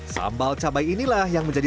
sambal cabai inilah yang menjadi